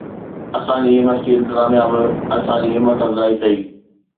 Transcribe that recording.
اسان جي يونيورسٽي انتظاميا به اسان جي همت افزائي ڪئي